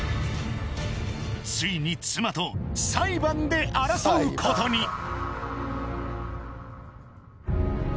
ついに妻と裁判で争うことに